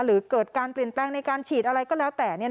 หรือเกิดการเปลี่ยนแปลงในการฉีดอะไรก็แล้วแต่